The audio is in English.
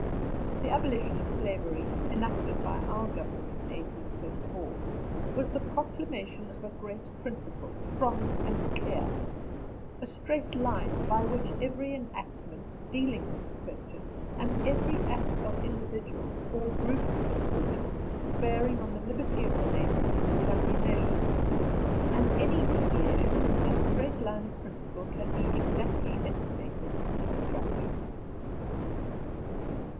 The Abolition of Slavery, enacted by our Government in 1834, was the proclamation of a great principle, strong and clear, a straight line by which every enactment dealing with the question, and every act of individuals, or groups of individuals, bearing on the liberty of the natives can be measured, and any deviation from that straight line of principle can be exactly estimated and judged.